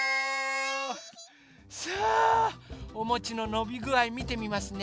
さあおもちののびぐあいみてみますね。